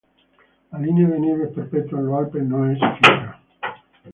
La línea de nieves perpetuas en los Alpes no es fija.